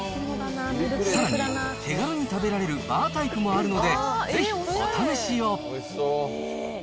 さらに、手軽に食べられるバータイプもあるので、ぜひお試しを。